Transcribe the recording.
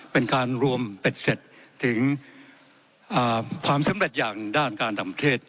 เป็นการรวมเป็ดเสร็จถึงความสำเร็จอย่างด้านการทำเทศ